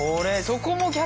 そこも逆？